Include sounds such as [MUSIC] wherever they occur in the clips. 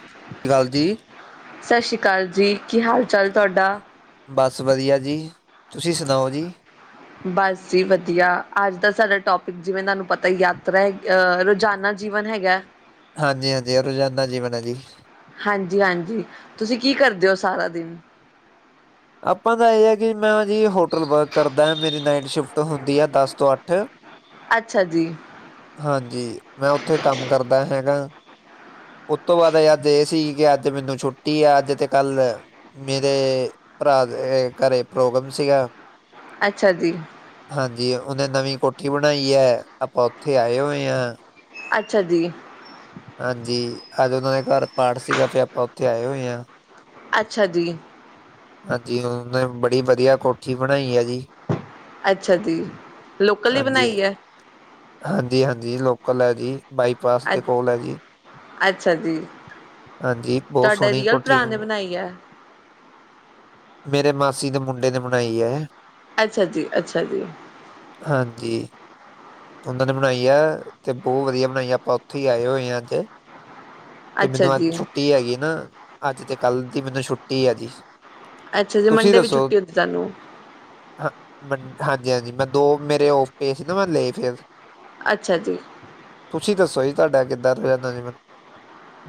ਹ। [UNINTELLIGIBLE] ਸਤਿ ਸ਼ੀ ਅਕਾਲ ਜੀ ਸਤਿ ਸ਼੍ਰੀ ਅਕਾਲ ਜੀ, ਕੀ ਹਾਲ ਚਾਲ ਤੁਹਾਡਾ? ਬਸ ਵਧੀਆ ਜੀ, ਤੁਸੀਂ ਸੁਣਾਓ ਜੀ? ਬਸ ਜੀ ਵਧੀਆ, ਅੱਜ ਦਾ ਸਾਡਾ ਟੋਪਿਕ ਜਿਵੇਂ ਤੁਹਾਨੂੰ ਪਤਾ ਯਾਤਰਾ ਅਹ ਰੋਜ਼ਾਨਾ ਜੀਵਨ ਹੈਗਾ। ਹਾਂਜੀ ਹਾਂਜੀ ਰੋਜ਼ਾਨਾ ਜੀਵਨ ਹੈ ਜੀ। ਹਾਂਜੀ ਹਾਂਜੀ ਤੁਸੀਂ ਕੀ ਕਰਦੇ ਹੋ ਸਾਰਾ ਦਿਨ ਆਪਾਂ ਦਾ ਇਹ ਹੈ ਕਿ ਮੈਂ ਜੀ ਹੋਟਲ ਵਰਕ ਕਰਦਾ, ਮੇਰੀ ਨਾਈਟ ਸ਼ਿਫਟ ਹੁੰਦੀ ਆ ਦਸ ਤੋਂ ਅੱਠ ਅੱਛਾ ਜੀ। ਹਾਂਜੀ, ਮੈਂ ਉੱਥੇ ਕੰਮ ਕਰਦਾ ਹੈਗਾ। ਉਸਤ ਤੋਂ ਬਾਅਦ ਅੱਜ ਇਹ ਸੀ ਕਿ ਅੱਜ ਮੈਨੂੰ ਛੁੱਟੀ ਆ, ਅੱਜ ਤੇ ਕੱਲ ਮੇਰੇ ਭਰਾ ਦੇ ਘਰੇ ਪ੍ਰੋਗਰਾਮ ਸੀਗਾ। ਅੱਛਾ ਜੀ। ਹਾਂਜੀ ਉਹ ਨੇ ਨਵੀਂ ਕੋਠੀ ਬਣਾਈ ਹੈ, ਆਪਾਂ ਉੱਥੇ ਆਏ ਹੋਏ ਆਂ। ਅੱਛਾ ਜੀ। ਹਾਂਜੀ ਅੱਜ ਉਹਨਾਂ ਦੇ ਘਰ ਪਾਠ ਸੀਗਾ, ਫਿਰ ਆਪਾਂ ਉੱਥੇ ਆਏ ਹੋਏ ਆਂ। ਅੱਛਾ ਜੀ ਹਾਂਜੀ, ਉਹਨੇ ਬੜੀ ਵਧੀਆ ਕੋਠੀ ਬਣਾਈ ਹੈ ਜੀ ਅੱਛਾ ਜੀ, ਲੋਕਲ ਹੀ ਬਣਾਈ ਹੈ ਹਾਂਜੀ ਹਾਂਜੀ ਲੋਕਲ ਹੈ ਜੀ, ਬਾਈਪਾਸ ਅ ਦੇ ਕੋਲ ਹੈ ਜੀ ਅੱਛਾ ਜੀ, ਹਾਂਜੀ ਬਹੁਤ ਤੁਹਾਡੇ ਸੋਹਣੀ ਰੀਅਲ ਕੋਠੀ ਭਰਾ ਨੇ ਬਣਾਈ ਹੈ ਮੇਰੇ ਮਾਸੀ ਦੇ ਮੁੰਡੇ ਨੇ ਬਣਾਈ ਹੈ ਅੱਛਾ ਜੀ ਅੱਛਾ ਜੀ ਹਾਂਜੀ ਉਹਨਾਂ ਨੇ ਬਣਾਈ ਐ, ਤੇ ਬਹੁਤ ਵਧੀਆ ਬਣਾਈ ਐ, ਆਪਾਂ ਉੱਥੇ ਹੀ ਆਏ ਹੋਏ ਆਂ ਅੱਜ ਕਿ ਅੱਛਾ ਮੈਨੂੰ ਅੱਜ ਜੀ, ਛੁੱਟੀ ਹੈਗੀ ਨਾ, ਅੱਜ ਤੇ ਕੱਲ ਦੀ ਮੈਨੂੰ ਛੁੱਟੀ ਹੈ ਜੀ ਅੱਛਾ ਜੀ ਮੰਡੇ ਵੀ ਛੁੱਟੀ ਹੁੰਦੀ ਤੁਹਾਨੂੰ ਹ ਹਾਂਜੀ ਹਾਂਜੀ ਮੈਂ ਦੋ ਮੇਰੇ ਆਫ਼ਿਸ ਨੇ, ਮੈਂ ਲੇ ਫਿਰ ਅੱਛਾ ਜੀ ਤੁਸੀਂ ਦੱਸੋ ਜੀ ਤੁਹਾਡਾ ਕਿੱਦਾਂ ਰਹਿੰਦਾ ਜੀਵਨ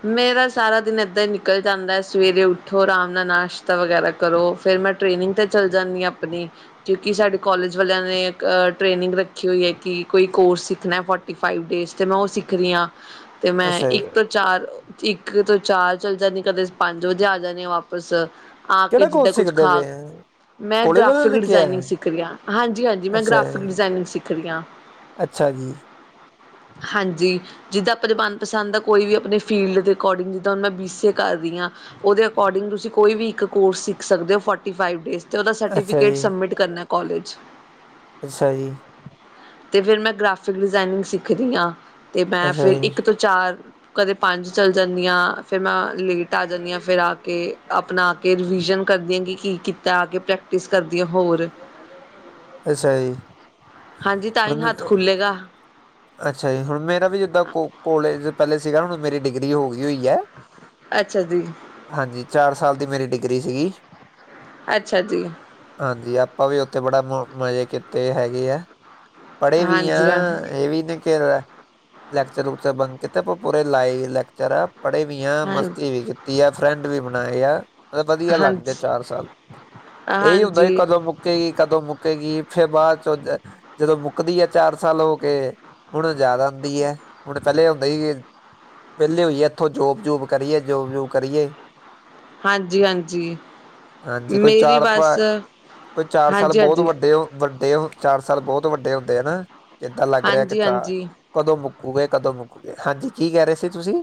ਮੇਰਾ ਸਾਰਾ ਦਿਨ ਏਦਾਂ ਹੀ ਨਿਕਲ ਜਾਂਦਾ ਹੈ, ਸਵੇਰੇ ਉੱਠੋ ਆਰਾਮ ਨਾਲ, ਨਾਸ਼ਤਾ ਵਗੈਰਾ ਕਰੋ, ਫਿਰ ਮੈਂ ਟ੍ਰੇਨਿੰਗ 'ਤੇ ਚੱਲ ਜਾਂਨੀ ਹਾਂ ਆਪਣੀ ਕਿਉਂਕਿ ਸਾਡੇ ਕੋਲਜ ਵਾਲਿਆਂ ਨੇ ਇੱਕ ਟ੍ਰੇਨਿੰਗ ਰੱਖੀ ਹੋਈ ਹੈ, ਕਿ ਕੋਈ ਕੋਰਸ ਸਿੱਖਣਾ ਫਾਈਵ ਡੇਜ਼ ਤੇ ਮੈਂ ਉਹ ਸਿੱਖਨੀ ਹਾਂ, ਤੇ ਮੈਂ ਅੱਛਾ ਜੀ ਇੱਕ ਚਾਰ ਇੱਕ ਤੋਂ ਚਾਰ ਚੱਲ ਜਾਂਨੀ, ਕਦੇ ਪੰਜ ਵਜੇ ਆ ਜਾਂਨੀ ਆ ਵਾਪਿਸ ਆ ਕੇ ਕਿਹੜਾ ਜਿੱਦਾਂ ਕੋਰਸ ਕੁਛ ਸਿੱਖਦੇ ਖਾ ਪਏ ਐ? ਮੈਂ ਕੋਲਜ ਵਾਲਿਆਂ ਗ੍ਰਾਫਿਕ ਨੇ ਕਿਹਾ ਡਿਜ਼ਾਇਨਿੰਗ ਐ ਸਿੱਖ ਰਹੀ ਆਂ, ਹਾਂਜੀ ਹਾਂਜੀ ਮੈਂ ਅੱਛਾ ਗ੍ਰਾਫਿਕ ਜੀ, ਡਿਜ਼ਾਇਨਿੰਗ ਸਿੱਖ ਰਹੀ ਹਾਂ। ਅੱਛਾ ਜੀ। ਹਾਂਜੀ ਜਿੱਦਾਂ ਆਪਾਂ ਮਨਪਸੰਦ ਆ। ਕੋਈ ਵੀ ਆਪਣੇ ਫੀਲਡ ਦੇ ਅਕੋਡਿੰਗ, ਜਿੱਦਾਂ ਹੁਣ ਮੈਂ ਬੀ ਸੀ ਏ ਕਰ ਰਹੀ ਹਾਂ। ਉਹਦੇ ਅਕੋਰਡਿੰਗ ਤੁਸੀਂ ਕੋਈ ਵੀ ਇੱਕ ਕੋਰਸ ਸਿੱਖ ਸਕਦੇ ਹੋ ਫੋਰਟੀ ਫਾਈਵ ਡੇਜ਼। ਅਤੇ ਉਹਦਾ ਅੱਛਾ ਸਰਟੀਫਿਕੇਟ ਜੀ। ਸਬਮਿਟ ਕਰਨਾ ਕਾਲਜ ਅੱਛਾ ਜੀ ਤੇ ਫਿਰ ਮੈਂ ਗ੍ਰਾਫਿਕ ਡਿਜ਼ਾਇਨਿੰਗ ਸਿੱਖਦੀ ਹਾਂ, ਤੇ ਮੈਂ ਅੱਛਾ ਫਿਰ ਜੀ, ਇੱਕ ਤੋਂ ਚਾਰ ਕਦੇ ਪੰਜ ਚੱਲ ਜਾਂਦੀ ਹਾਂ, ਫਿਰ ਮੈਂ ਲੇਟ ਆ ਜਾਂਦੀ ਹਾਂ, ਫਿਰ ਆ ਕੇ ਅਪਣਾ ਕੇ ਰਿਵੀਜ਼ਨ ਕਰਦੀ ਹਾਂ ਕਿ ਕੀ ਕੀਤਾ, ਆ ਕੇ ਪ੍ਰੈਕਟਿਸ ਕਰਦੀ ਹਾਂ ਹੋਰ ਅੱਛਾ ਜੀ ਹਾਂਜੀ, ਤਾਂ ਹੀ ਹੁਣ ਹੱਥ ਖੁੱਲੇਗਾ ਅੱਛਾ ਜੀ, ਹੁਣ ਮੇਰਾ ਵੀ ਜਿੱਦਾਂ ਕੋ ਕੋਲੇਜ ਪਹਿਲੇ ਸੀਗਾ, ਹੁਣ ਮੇਰੀ ਡਿਗਰੀ ਹੋ ਗਈ ਹੋਈ ਹੈ ਅੱਛਾ ਜੀ ਹਾਂਜੀ ਚਾਰ ਸਾਲ ਦੀ ਮੇਰੀ ਡਿਗਰੀ ਸੀਗੀ ਅੱਛਾ ਜੀ ਹਾਂਜੀ ਆਪਾਂ ਵੀ ਉੱਥੇ ਬੜਾ ਮਜ਼ੇ ਕੀਤੇ ਹੈਗੇ ਆ ਪੜ੍ਹੇ ਵੀ ਆ ਹਾਂਜੀ ਹਾਂ ਇਹ ਵੀ ਲੈਕਚਰ ਲੁਕਚਰ ਬੰਦ ਕੀਤਾ ਆਪ ਪੂਰੇ ਲਾਈਵ ਲੈਕਚਰ ਆ ਪੜ੍ਹੇ ਵੀ ਆ ਹਾਂ ਮਸਤੀ ਵੀ ਕੀਤੀ ਆ ਫਰੈਂਡ ਵੀ ਬਣਾਏ ਆ ਬ ਵਧੀਆ ਲੱਗ ਜਾ ਹਾਂਜੀ ਚਾਰ ਸਾਲ ਇਹੀ ਹੁੰਦਾ ਹਾਂਜੀ, ਕਦੋਂ ਮੁ ਮੁੱਕੇਗੀ ਕਦੋਂ ਮੁੱਕੇਗੀ ਫੇਿਰ ਬਾਅਦ ਚੋਂ ਜਦੋਂ ਮੁੱਕਦੀ ਆ ਚਾਰ ਸਾਲ ਹੋ ਕੇ ਹੁਣ ਜ਼ਿਆਦਾ ਹੁੰਦੀ ਹੈ ਹੁਣ ਇਕਹਿਲੇ ਹੁੰਦਾ ਸੀ ਕਿ ਵਿਹਲੇ ਹੋਈਏ ਇੱਥੋਂ ਜੋਬ ਜੋੂਬ ਕਰੀਏ ਜੋਬ ਜੋੂਬ ਕਰੀਏ ਹਾਂਜੀ ਹਾਂਜੀ ਹਾਂਜੀ ਕੋਈ ਮੇਰੀ ਚਾਰ ਆਪ ਬਸ ਕੋਈ ਚਾਰ ਸਾਲ ਹਾਂਜੀ, ਬਹੁਤ ਹਾਂਜੀ, ਵੱਡੇ ਹੋ ਵੱਡੇ ਚਾਰ ਸਾਲ ਬਹੁਤ ਵੱਡੇ ਹੁੰਦੇ ਆ ਨਾ ਕਿੱਦਾਂ ਲੱਗ ਰਿਹਾ ਇੱਕ ਹਾਂਜੀ, ਹਾਂਜੀ ਕਦੋਂ ਮੁੱਕੋਗੇ ਕਦੋਂ ਮੁੱਕੂਗੇ ਹਾਂਜੀ ਕੀ ਕਹਿ ਰਹੇ ਸੀ ਤੁਸੀਂ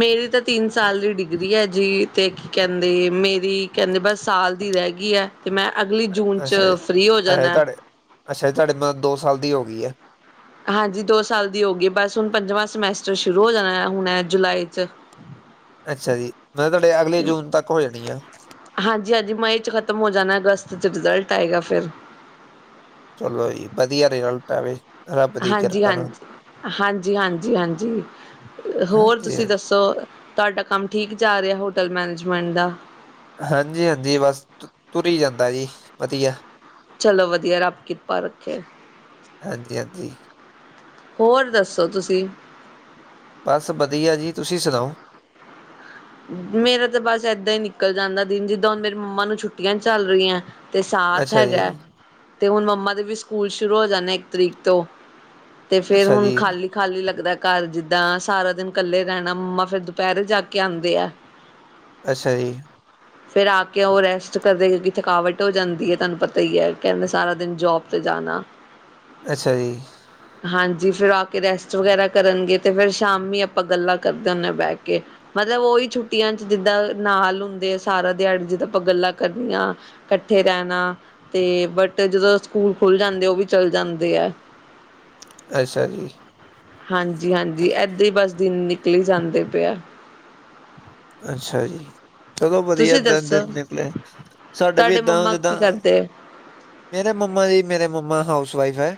ਮੇਰੀ ਤਾਂ ਤਿੰਨ ਸਾਲ ਦੀ ਡਿਗਰੀ ਹੈ ਜੀ ਅਤੇ ਕੀ ਕਹਿੰਦੇ ਮੇਰੀ ਕਹਿੰਦੇ ਬਸ ਸਾਲ ਦੀ ਰਹਿ ਗਈ ਹੈ ਅਤੇ ਮੈਂ ਅਗਲੀ ਜੂਨ 'ਚ ਅੱਛਾ ਜੀ ਫ੍ਰੀ ਹੋ ਅੱਛਾ ਜੀ ਜਾਂਦਾ ਤੁਹਾਡੇ ਅੱਛਾ ਜ ਤੁਹਾਡੇਤਲਬ ਦੋ ਸਾਲ ਦੀ ਹੋ ਗਈਏ ਹਾਂਜੀ ਦੋ ਸਾਲ ਦੀ ਹੋ ਗਈ ਬਸ ਹੁਣ ਪੰਜਵਾਂ ਸਮੈਸਟਰ ਸ਼ੁਰੂ ਹੋ ਜਾਣਾ ਹੁਣ ਜੁਲਾਈ ਅੱਛਾ ਜੀ ਮੈਂਬ ਤੁਹਾਡੇ ਅਗਲੇ ਜੂਨ ਤੱਕ ਹੋ ਜਾਣੀ ਆ। ਹਾਂਜੀ ਹਾਂਜੀ ਮਈ 'ਚ ਖ਼ਤਮ ਹੋ ਜਾਣਾ ਅਗਸਤ 'ਚ ਰਿਜ਼ਲਟ ਆਏਗਾ ਫਿਰ। ਚਲੋ ਜੀ ਵਧੀਆ ਰਿਜ਼ਲਟ ਆਵੇ ਰੱਬ ਦੀ ਹਾਂਜੀ ਕਿਰਪਾ ਨਾਲ ਹਾਂਜੀ ਹਾਂਜੀ ਹਾਂਜੀ ਹਾਂਜੀ ਹੋਰ ਹਾਂਜੀ ਤੁਸੀਂ ਹਾਂ, ਦੱਸੋ? ਤੁਹਾਡਾ ਕੰਮ ਠੀਕ ਜਾ ਰਿਹਾ ਹੋਟਲ ਮੈਨੇਜਮੈਂਟ ਦਾ? ਹਾਂਜੀ ਹਾਂਜੀ ਬਸ ਤੁਰ ਜਾਂਦਾ ਜੀ ਵਧੀਆ। ਚਲੋ ਵਧੀਆ ਰੱਬ ਕਿਰਪਾ ਰੱਖੇ। ਹਾਂਜੀ ਹਾਂਜੀ ਹੋਰ ਦੱਸੋ ਤੁਸੀਂ? ਬਸ ਵਧੀਆ ਜੀ ਤੁਸੀਂ ਸੁਣਾਓ? ਮੇਰਾ ਤਾਂ ਬਸ ਏਦਾਂ ਹੀ ਨਿਕਲ ਜਾਂਦਾ ਦਿਨ ਜਿੱਦਾਂ ਹੁਣ ਮੇਰੀ ਮੰਮਾ ਨੂੰ ਛੁੱਟੀਆਂ ਚੱਲ ਰਹੀਆਂ। ਤੇ ਸਾਥ ਅੱਛਾ ਜੀ ਹੈਗਾ। ਤੇ ਹੁਣ ਮੰਮਾ ਦੇ ਵੀ ਸਕੂਲ ਸ਼ੁਰੂ ਹੋ ਜਾਂਦੇ ਇੱਕ ਤਰੀਕ ਤੋਂ ਤੇ ਫੇਰ ਅੱਛਾ ਹੁਣ ਜੀ ਖਾਲੀ ਖਾਲੀ ਲੱਗਦਾ ਘਰ ਜਿੱਦਾਂ ਸਾਰਾ ਦਿਨ ਇਕੱਲੇ ਰਹਿਣਾ ਮੰਮਾ ਫਿਰ ਦੁਪਹਿਰੇ ਜਾ ਕੇ ਆਉਂਦਾ ਦਿਆ ਅੱਛਾ ਜੀ। ਹ। ਫਿਰ ਆ ਕੇ ਉਹ ਰੈਸਟ ਕਰਦੇ ਕਿਉਂਕਿ ਥਕਾਵਟ ਹੋ ਜਾਂਦੀ ਹੈ ਤੁਹਾਨੂੰ ਪਤਾ ਹੀ ਹੈ ਕਹਿੰਦੇ ਸਾਰਾ ਦਿਨ ਜੋਬ 'ਤੇ ਜਾਣਾ [INAUDIBLE] ਅੱਛਾ ਜੀ ਹਾਂ ਹਾਂਜੀ ਫਿਰ ਆ ਕੇ ਰੈਸਟ ਵਗੈਰਾ ਕਰਨਗੇ ਅਤੇ ਫਿਰ ਸ਼ਾਮੀ ਆਪਾਂ ਗੱਲਾਂ ਕਰਦੇ ਹੁੰਦੇ ਹਾਂ ਬਹਿਠ ਕੇ। ਮਤਲਬ ਉਹੀ ਛੁੱਟੀਆਂ ਚ ਜਿੱਦਾਂ ਨਾਲ ਹੁੰਦੇ ਆ ਸਾਰਾ ਦਿਹਾੜੀ ਜਿੱਦਾਂ ਆਪਾਂ ਗੱਲਾਂ ਕਰਨੀਆਂ ਇਕੱਠੇ ਰਹਿਣਾ ਤੇ ਬਟ ਜਦੋਂ ਸਕੂਲ ਖੁੱਲ ਜਾਂਦੇ ਉਹ ਵੀ ਚੱਲ ਜਾਂਦੇ ਆ। [INAUDIBLE] ਅੱਛਾ ਜੀ। ਹਾਂਜੀ ਹਾਂਜੀ ਇਏਦਾਂ ਹੀ ਬਸ ਦਿਨ ਨਿਕਲੀ ਜਾਂਦੇ ਪ ਆ। ਅੱਛਾ ਜੀ। ਚਲੋ ਵਧੀਆ ਤੁਸੀਂ ਇਏਦਾਂ ਦੱਸੋ ਦਿਨ ਨਿਕਲੇ ਸਾਡੇ ਵੀ ਤੁਹਾਡੇ ਏਦਾਂ ਮੰਮਾ ਜਿੱਦਾਂ। ਕੀ ਕਰਦੇ ਮੇਰੇ ਮੰਮਾ ਜੀ ਮੇਰੇ ਮੰਮਾ ਹਾਊਸ ਵਈਫ ਹੈ।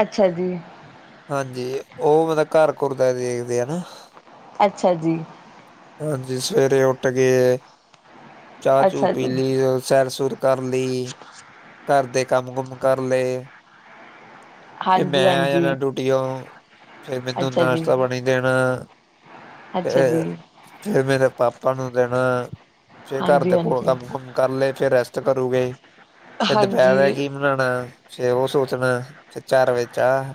ਅੱਛਾ ਜੀ। ਹਾਂਜੀ ਉਹ ਮਤਲਬ ਘਰ ਘੁਰਦਾ ਦੇਖਦੇ ਆ ਨਾ। ਅੱਛਾ ਜੀ। ਹਾਂਜੀ ਸਵੇਰੇ ਉੱਠ ਕੇ ਚਾਹ ਚੂ ਅੱਛਾ ਪੀ ਜੀ ਲਈ ਸੈਰ ਸੁਰ ਕਰ ਲਈ ਘਰ ਦੇ ਕੰਮ ਗੁੰਮ ਕਰ ਲਏ। ਫਿਰ ਹਾਂਜੀ ਮੈਂ ਆ ਜਾਣਾ ਹਾਂਜੀ ਡਿਊਟੀ ਤੋਂ ਫੇਰ ਮੈਨੂੰ ਅੱਛਾ ਜੀ ਨਾਸ਼ਤਾ ਬਣੀ ਦੇਣਾ ਅੱਛਾ ਜੀ ਫਿਰ ਮੇਰੇ ਪਾਪਾ ਨੂੰ ਦੇਣਾ ਫੇਰ ਘਰ ਹਾਂਜੀ ਦੇ ਕੋਲ ਹਾਂਜੀ ਕੰਮ ਕੁਮ ਕਰ ਲਏ ਫਿਰ ਰੈਸਟ ਕਰੂਗੇ ਫ ਦੁਪਹਿਰ ਹੈ ਹਾਂਜੀ ਕਿ ਬਨਾਉਣਾ ਫੇਰ ਉਹ ਸੋਚਣਾ ਫਿਰ ਚਾਰ ਵਜੇ ਚਾਹ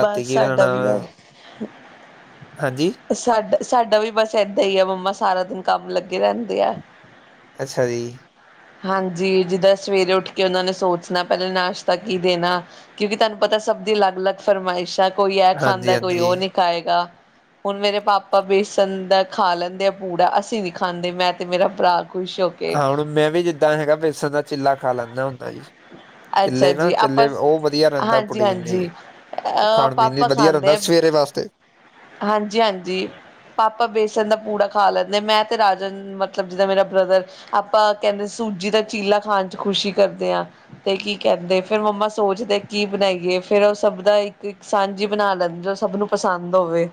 ਬਸ ਬਣਾਉਣਾ ਸਾਡਾ ਵੀ ਹੈ। ਹਾਂਜੀ। ਸਾਡਾ ਸਾਡਾ ਵੀ ਬਸ ਇੱਦਾਂ ਹੀ ਆ ਮੰਮਾ ਸਾਰਾ ਦਿਨ ਕੰਮ ਲੱਗੇ ਰਹਿੰਦੇ ਆ। ਅੱਛਾ ਜੀ। ਹਾਂਜੀ ਜਿੱਦਾਂ ਸਵੇਰੇ ਉੱਠ ਕੇ ਉਹਨਾਂ ਨੇ ਸੋਚਣਾ ਪਹਿਲਾਂ ਨਾਸ਼ਤਾ ਕੀ ਦੇਣਾ ਕਿਉਂਕਿ ਤੁਹਾਨੂੰ ਪਤਾ ਸਭ ਦੀ ਅਲੱਗ ਅਲੱਗ ਫਰਮਾਇਸ਼ ਹੈ ਕੋਈ ਇਹ ਹਾਂਜੀ ਖਾਂਦਾ ਕੋਈ ਹਾਂਜੀ ਉਹ ਨੀ ਖਾਏਗਾ। ਹੁਣ ਮੇਰੇ ਪਾਪਾ ਬੇਸਣ ਦਾ ਖਾ ਲੈਂਦੇ ਆ ਪੂੜਾ ਅਸੀਂ ਨਹੀਂ ਖਾਂਦੇ ਮੈਂ ਅਤੇ ਮੇਰਾ ਭਰਾ ਖੁਸ਼ ਹੋ। ਕੇ ਹਾਂ ਹੁਣ ਮੈਂ ਵੀ ਜਿੱਦਾਂ ਹੈਗਾ ਵੇਸਣ ਦਾ ਚਿੱਲਾ ਖਾ ਲੈਂਦਾ ਹੁੰਦਾ ਜੀ। ਅੱਛਾ ਚਿੱਲੇ ਨਾ ਜੀ ਚਿੱਲੇ ਆਪਾਂ ਉਹ ਵਧੀਆ ਰਹਿੰਦਾ ਹਾਂਜੀ ਪ੍ਰੋਟੀਨ ਹਾਂਜੀ ਲਈ ਉਹ ਖਾਣ ਪੀਣ ਲਈ ਵਧੀਆ ਰਹਿੰਦਾ ਸਵੇਰੇ ਵਾਸਤੇ ਹਾਂਜੀ-ਹਾਂਜੀ ਪਾਪਾ ਬੇਸਣ ਦਾ ਪੂੜਾ ਖਾ ਲੈਂਦੇ ਮੈਂ ਤੇ ਰਾਜਨ। ਮਤਲਬ ਜਿੱਦਾਂ ਮੇਰਾ ਬ੍ਰਦਰ ਆਪਾਂ ਕਹਿੰਦੇ ਸੂਜੀ ਦਾ ਚੀਲਾ ਖਾਣ ਚ ਖੁਸ਼ੀ ਕਰਦੇ ਹਾਂ। ਤੇ ਕੀ ਕਹਿੰਦੇ ਫਿਰ ਮੰਮਾ ਸੋਚਦੇ ਕੀ ਬਣਾਈਏ ਫੇਰ ਉਹ ਸਭ ਦਾ ਇੱਕ ਸਾਂਝੀ ਬਣਾ ਲੈਂਦੇ ਸਭ ਨੂੰ। ਪਸੰਦ ਹੋਵੇ।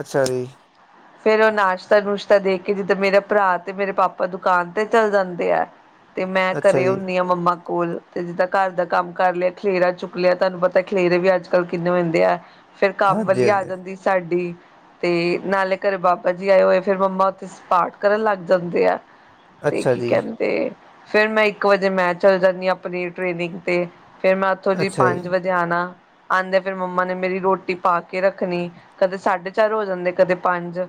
ਅੱਛਾ ਜੀ। ਹਾਂ [UNINTELLIGIBLE] ਫੇਰ ਉਹ ਨਾਸ਼ਤਾ ਨੂਸ਼ਤਾ ਦੇ ਕੇ ਜਿੱਦਾਂ ਮੇਰਾ ਭਰਾ ਤੇ ਮੇਰੇ ਪਾਪਾ ਦੁਕਾਨ ਤੇ ਚੱਲ ਜਾਂਦੇ ਆ। ਤੇ ਮੈਂ ਅੱਛਾ ਘਰੇ ਜੀ ਹੁੰਦੀ ਹਾਂ ਮੰਮਾ। ਸਕੂਲ ਤੇ ਜਿੱਦਾਂ ਘਰ ਦਾ ਕੰਮ ਕਰ ਲਿਆ ਖਲੇਰਾ ਚੁੱਕ ਲਿਆ ਤੁਹਾਨੂੰ ਪਤਾ ਖਲੇਰੇ ਵੀ ਅੱਜ ਕੱਲ ਕਿੰਨੇ ਹੋਏ ਹੁੰਦੇ ਆ। ਫਿਰ ਕੰਮ ਹਾਂਜੀ ਵਾਲੀ ਆ ਹਾਂਜੀ ਜਾਂਦੀ ਸਾਡੀ। ਤੇ ਨਾਲੇ ਘਰੇ ਬਾਬਾ ਜੀ ਆਏ ਹੋਏ ਫਿਰ ਮੰਮਾ ਉੱਥੇ ਸ ਪਾਠ ਕਰਨ ਲੱਗ ਜਾਂਦੇ ਆ। ਤੇ ਅੱਛਾ ਕੀ ਜੀ ਕਹਿੰਦੇ ਫਿਰ ਮੈਂ ਇੱਕ ਵਜੇ ਮੈਂ ਚੱਲ ਜਾਂਦੀ ਆਪਣੀ ਟ੍ਰੇਨਿੰਗ ਤੇ। ਫੇਰ ਮੈਂ ਉੱਥੋਂ ਜੀ ਪੰਜ ਵਜੇ ਆਉਣਾ ਆਉਂਦੇ ਫਿਰ ਮੰਮਾ ਨੇ ਮੇਰੀ ਰੋਟੀ ਪਾ ਕੇ ਰੱਖਣੀ। ਕਦੇ ਸਾਢੇ ਚਾਰ ਹੋ ਜਾਂਦੇ ਕਦੇ ਪੰਜ।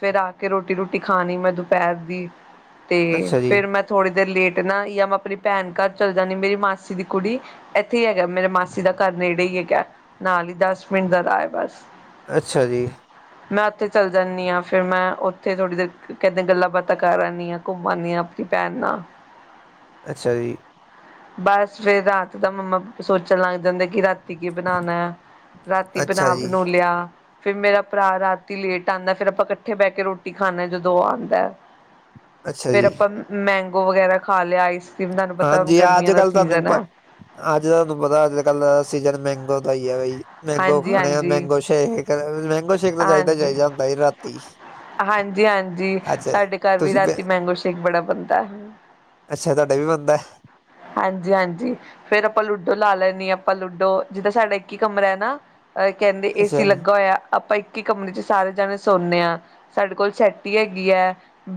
ਫਿਰ ਆ ਕੇ ਰੋਟੀ ਰੋਟੀ ਖਾਣੀ ਮੈਂ ਦੁਪਹਿਰ ਦੀ। ਤੇ ਅੱਛਾ ਜੀ ਫੇਰ ਮੈਂ ਥੋੜ੍ਹੀ ਦੇਰ ਲੇਟ ਨਾ ਯਾ ਮੈਂ ਆਪਣੀ ਭੈਣ। ਘਰ ਚੱਲ ਜਾਂਣੀ ਮੇਰੀ ਮਾਸੀ ਦੀ ਕੁੜੀ ਇੱਥੇ ਹੀ ਹੈਗਾ ਮੇਰੇ ਮਾਸੀ ਦਾ ਘਰ ਨੇੜੇ ਹੀ ਹੈਗਾ। ਨਾਲ ਈ ਦਸ ਮਿੰਟ ਦਾ ਰਾਹ ਹੈ ਬਸ। ਅੱਛਾ ਜੀ। ਮੈਂ ਉੱਥੇ ਚੱਲ ਜਾਂਦੀ ਹਾਂ ਫਿਰ ਮੈਂ ਉੱਥੇ ਥੋੜ੍ਹੀ ਦੇਰ ਕਹਿੰ ਗੱਲਾਂ ਬਾਤਾਂ ਕਰਉਂਦੀ ਹਾਂ ਘੁੰਮਾਉਂਦੀ ਹਾਂ। ਭੈਣ ਨਾਲ ਅੱਛਾ ਜੀ। ਬਸ ਫੇਰ ਰਾਤ ਦਾ ਮੰਮਾ ਸੋਚਣ ਲੱਗ ਜਾਂਦਾ ਕਿ ਰਾ ਕੀ ਕੀ ਬਣਾਉਣਾ ਰਾਤੀ ਅੱਛਾ ਬਣਾ ਜੀ ਬਣੂ ਲਿਆ। ਫੇਰ ਮੇਰਾ ਭਰਾ ਰਾਤੀ ਲੇਟ ਆਉਂਦਾ ਫੇਰ ਆਪਾਂ ਇਕੱਠੇ ਬਹਿ ਕੇ ਰੋਟੀ ਖਾਣੇ ਜਦੋਂ ਉਹ ਆਉਂਦਾ। ਅੱਛਾ ਫੇਰ ਜੀ ਆਪਾਂ ਮੈਂਗੋ ਵਗੈਰਾ ਖਾ ਲਿਆ ਆਈਸ ਕਰ੍ਰੀਮ ਤੁਹਾਨੂੰ ਪਤਾ। ਹੁਣ ਜੀ ਅੱਜ ਗਰਮੀਆਂ ਦਾ ਕੱਲ ਤੁਹਾਨੂੰ ਸੀਜ਼ਨ ਪ ਐ। ਅੱਜ ਤੁਹਾਨੂੰ ਪਤਾ ਅੱਜ ਕੱਲ ਸੀਜਨ ਮੈਂਗੋ ਦਾ ਹੀ ਐ ਬਾਈ। ਮੈਂਗੋ ਖਾਣੇ ਆ ਹਾਂਜੀ-ਹਾਂਜੀ, ਮਹਿੰਗੋ ਸ਼ੇਕ ਮਹਿੰਗੋ ਸ਼ੇਕ ਤਾਂ ਚਾਹੀਦਾ ਚਾਹੀਦਾ ਹੁੰਦਾ ਸੀ ਰਾਤੀ। ਹਾਂਜੀ ਹਾਂਜੀ ਅੱਛਾ ਸਾਡੇ ਘਰ ਵੀ ਤੁਸੀਂ ਰਾਤੀ ਮੈਂਗੋ ਸ਼ੇਕ ਬੜਾ ਬਣਦਾ ਹੈ। ਅੱਛਾ ਤੁਹਾਡੇ ਵੀ ਬਣਦੇ। ਹਾਂਜੀ ਹਾਂਜੀ ਫੇਰ ਆਪਾਂ ਲੂਡੋ ਲਾ ਲੈਣੀ ਹਾਂ ਆਪਾਂ ਲੂਡੋ ਜਿੱਦਾਂ ਸਾਡਾ ਇੱਕ ਹੀ ਕਮਰਾ ਹੈ ਨਾ। ਅਹ ਕਹਿੰਦੇ ਏ ਅੱਛਾ ਸੀ ਲੱਗਾ ਹੋਇਆ ਆਪਾਂ ਇੱਕੀ ਕਮਰੇ ਚ ਸਾਰੇ ਜਾਣੇ ਸੌਦੇ ਹਾਂ। ਸਾਡੇ ਕੋਲ ਸੈਟੀ ਹੈਗੀ ਐਂ।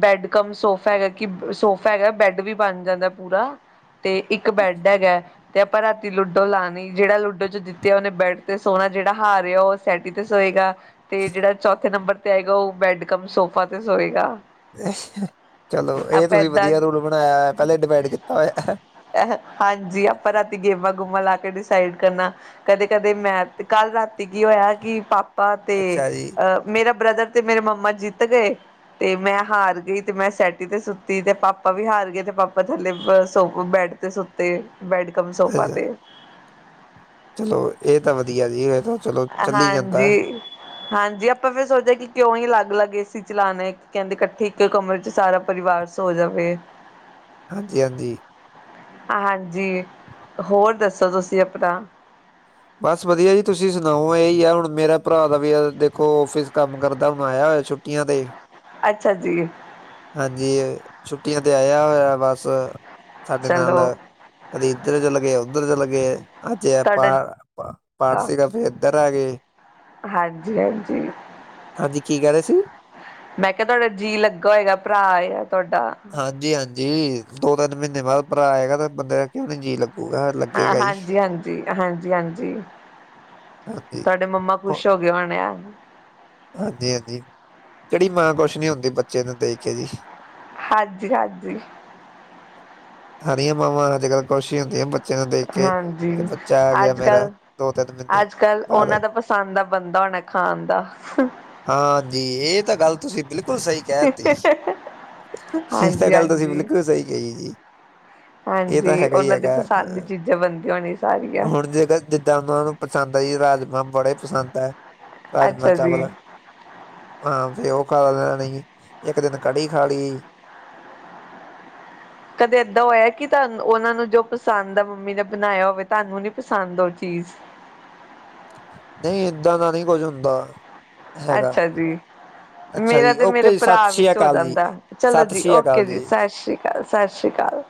ਬੈਡ ਕਮ ਸੋਫਾ ਹੈਗਾ ਕਿ ਸੋਫਾ ਹੈਗਾ ਬੈੱਡ ਵੀ ਬਣ ਜਾਂਦਾ ਪੂਰਾ। ਤੇ ਇੱਕ ਬੈਡ ਹੈਗਾ। ਅਤੇ ਆਪਾਂ ਰਾਤੀ ਲੂਡੋ ਲਾਣੀ ਜਿਹੜਾ ਲੂਡੋ ਚੋਂ ਜਿੱਤਿਆ ਉਹਨੇ ਬੈੱਡ ਤੇ ਸੋਣਾ ਜਿਹੜਾ ਹਾਰਿਆ ਉਹ ਸੈਟੀ ਤੇ ਸੋਏਗਾ। ਤੇ ਜਿਹੜਾ ਚੌਥੇ ਨੰਬਰ ਤੇ ਆਏਗਾ ਉਹ ਬੈਡ ਕਮ ਸੋਫਾ ਤੇ ਸੋਏਗਾ। ਚਲੋ ਇਹ ਆਪਾਂ ਤੁਸੀਂ ਏਦਾਂ ਵਧੀਆ ਰੂਲ ਬਣਾਇਆ ਪਹਿਲੇ ਡਿਵਾਈਡ ਕੀਤਾ ਹੋਇਆ। ਅ ਹਾਂਜੀ ਆਪਾਂ ਰਾਤੀ ਗੇਮਾਂ-ਗੂਮਾਂ ਲਾ ਕੇ ਡਿਸਾਈਡ ਕਰਨਾ। ਕਦੇ-ਕਦੇ ਮੈਂ ਕੱਲ ਰਾਤੀ ਕੀ ਹੋਇਆ ਕਿ ਪਾਪਾ ਤੇ ਅੱਛਾ ਜੀ ਅਹ। ਮੇਰਾ ਬ੍ਰਦਰ ਤੇ ਮੇਰੇ ਮੰਮਾ ਜਿੱਤ ਗਏ। ਤੇ ਮੈਂ ਹਾਰ ਗੀ ਤੇ ਮੈਂ ਸੈਟੀ ਤੇ ਸੁੱਤੀ ਤੇ ਪਾਪਾ ਵੀ ਹਾਰ ਗਏ ਤੇ ਪਾਪਾ ਥੱਲੇ ਬ। ਸੋਫ ਬੈਡ ਤੇ ਸੁੱਤੇ ਬੈਡ ਕਮ ਸੋਫਾ ਅੱਛਾ ਤੇ। ਚਲੋ ਇਹ ਤਾਂ ਵਧੀਆ ਜੀ ਇਹ ਤਾਂ। ਚਲੋ ਚੱਲੀ ਜਾਂਦਾ ਹਾਂਜੀ। ਹਾਂਜੀ ਆਪਾਂ ਫੇਰ ਸੋਚਿਆ ਕਿ ਕਿਉਂ ਹੀ ਅਲੱਗ ਅਲੱਗ ਏ ਸੀ ਚਲਾਉਣੇ ਕਹਿੰਦੇ ਇਕੱਠੇ ਇੱਕ ਕਮਰੇ ਚ ਸਾਰਾ ਪਰਿਵਾਰ। ਸੋ ਜਾਵੇ। ਹਾਂਜੀ-ਹਾਂਜੀ। ਹਾਂਜੀ ਹੋਰ ਦੱਸੋ ਤੁਸੀਂ ਅਪਣਾ। ਬਸ ਵਧੀਆ ਜੀ ਤੁਸੀਂ ਸੁਣਾਓ ਇਹੀ ਆ ਹੁਣ ਮੇਰਾ ਭਰਾ ਦਾ ਵੀ ਦੇਖੋ ਫਿਸ ਕੰਮ ਕਰਦਾ ਹੁਣ ਆਇਆ ਹੋਇਆ ਛੁ। ਕੀ ਆਂਦੇ। ਅੱਛਾ ਜੀ। ਹਾਂਜੀ ਛੁੱਟੀਆਂ ਤੇ ਆਇਆ ਹੋਇਆ ਬਸ ਸਾਡੇ ਨਾਲ। ਚਲੋ ਅਦੇ ਇਧਰ ਜਲਗੇ ਉਧਰ ਜਲਗੇ ਅਜੇ ਆਪ ਤੁਹਾਡਾ ਪਾਠ ਸੀਗਾ ਫੇ ਇੱਧਰ ਆ ਗਏ। ਹਾਂਜੀ ਹਾਂਜੀ। ਹਾਂਜੀ ਕੀ ਕਹਿ ਰਹੇ ਸੀ। ਮੈਂ ਕਿਹਾ ਤੁਹਾਡਾ ਜੀਅ ਲੱਗਾ ਹੋਏਗਾ ਭਰਾ ਤੁਹਾਡਾ। ਹਾਂਜੀ ਹਾਂਜੀ ਦੋ ਤਿੰਨ ਮਹੀਨੇ ਬਾਅਦ ਭਰਾ ਆਏਗਾ ਤੇ ਬੰਦੇ ਦਾ ਕਿਉਂ ਨੀ ਜੀਅ ਲੱਗੂਗਾ। ਲੱਗੇਗਾ ਹੀ ਹਾਂਜੀ ਹਾਂਜੀ ਹਾਂਜੀ ਹਾਂਜੀ ਹਾਂਜੀ ਤੁਹਾਡੇ ਮੰਮਾ? ਖੁਸ਼ ਹੋ ਗਗੇ ਹੋਣਿਆ। ਹਾਂਜੀ ਹਾਂਜੀ ਕਿਹੜੀ ਮਾਂ ਕੁਛ ਨੀ ਹੁੰਦੀ ਬੱਚੇ ਨੂੰ ਦੇ ਕੇ ਜੀ। ਹਾਂਜੀ ਹਾਂਜੀ। ਹਰੀ ਮਾਂ ਅੱਜ ਕੱਲ ਖੁਸ਼ ਹੁੰਦੀ ਆ। ਬੱਚੇ ਨੂੰ ਦੇਖ ਕੇ ਕਿ ਹਾਂਜੀ ਬੱਚਾ ਆ ਗਿਆ ਅੱਜ ਮੇਰਾ ਕੱਲ ਦੋ ਤਿੰਨ ਮਹੀਨੇ ਬਾਅਦ। ਪਸਾਨ ਦਾ ਬੰਦਾ ਹੋਣਾ ਖਾਣ ਦਾ। ਹਾਂਜੀ ਇਹ ਤਾਂ ਗੱਲ ਤੁਸੀਂ ਬਿਲਕੁਲ ਸਹੀ। ਕਹਿ ਤੇ ਇਹ ਤਾਂ ਹਾਂਜੀ ਗੱਲ ਤੁਸੀਂ ਹਾਂਜੀ ਬਿਲਕੁਲ ਸਹੀ ਕਹੀ ਜੀ। ਇਹ ਤਾਂ ਹਾਂਜੀ ਹੈਗਾ ਹੀ ਉਹਨਾਂ ਦੀ ਹੈਗਾ ਪਸੰਦ ਦੀ ਚੀਜ਼ਾਂ ਬਣਦੀਆਂ ਹੋਣੀ ਸਾਰੀਆਂ ਹੁਣ ਜੇਕ। ਜਿੱਦਾਂ ਉਹਨਾਂ ਨੂੰ ਪਸੰਦ ਆ ਜੀ ਰਾਜਮਾਂ ਬੜੇ ਪਸੰਦ ਹੈ ਰਾਜਮਾਂ। ਅੱਛਾ ਚਾਵਲ ਜੀ ਹਾਂ ਫੇ ਉਹ ਖਾ ਲੈਣੀ ਇੱਕ ਦਿਨ ਕੜੀ ਖਾ ਲਈ ਕਦੇ ਏਦਾਂ ਹੋਇਆ ਕਿ ਤੁਹਾਨੂੰ ਉਹਨਾਂ ਨੂੰ ਜੋ ਪਸੰਦ ਆ ਮੰਮੀ ਨੇ ਬਣਾਇਆ ਹੋਵੇ ਤੁਹਾਨੂੰ ਨੀ ਪਸੰਦ ਉਹ ਚੀਜ਼ ਨਹੀਂ ਏਦਾਂ ਦਾ ਨਹੀਂ ਕੁਝ ਹੁੰਦਾ। ਹੈਗਾ ਅੱਛਾ ਜੀ। ਅੱਛਾ ਮੇਰਾ ਜੀ ਤੇ ਮੇਰੇ ਓਕੇ ਜੀ ਸਤਿ ਭਰਾ ਸ਼੍ਰੀ ਵਿੱਚ ਹੋ ਅਕਾਲ ਜੀ ਜਾਂਦਾ ਚਲੋ ਸਤਿ ਜੀ ਸ਼੍ਰੀ ਓਕੇ ਅਕਾਲ ਜੀ ਸਤਿ ਸ੍ਰੀ ਅਕਾਲ। ਸਤਿ ਸ਼੍ਰੀ ਅਕਾਲ।